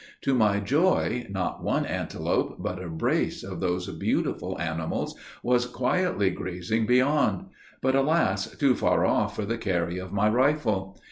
To my joy, not one antelope, but a brace of those beautiful animals, was quietly grazing beyond; but alas! too far off for the carry of my rifle.